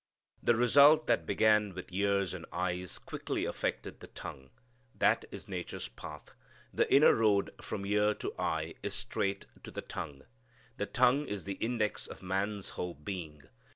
The result that began with ears and eyes quickly affected the tongue. That is nature's path. The inner road from ear and eye is straight to the tongue. The tongue is the index of man's whole being.